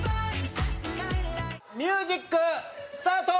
ミュージックスタート！